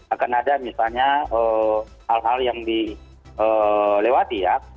akan ada misalnya hal hal yang dilewati ya